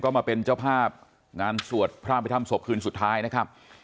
มาเป็นเจ้าภาพงานสวดพระอภิษฐรรศพคืนสุดท้ายนะครับ